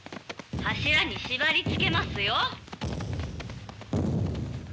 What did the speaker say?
柱に縛りつけますよ。